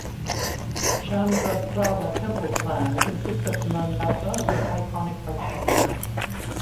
Chandraprabha temple plan consists of the mandapa with iconic architecture.